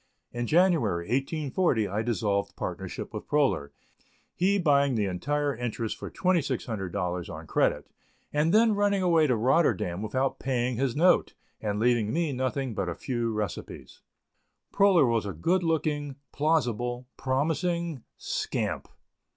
In January, 1840, I dissolved partnership with Proler, he buying the entire interest for $2,600 on credit, and then running away to Rotterdam without paying his note, and leaving me nothing but a few recipes. Proler was a good looking, plausible, promising scamp.